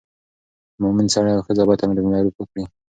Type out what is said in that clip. مومن سړی او ښځه باید امر بالمعروف وکړي.